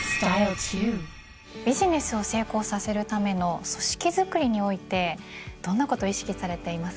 ビジネスを成功させるための組織づくりにおいてどんなこと意識されていますか？